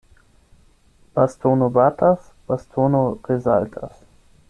Bastono batas, bastono resaltas.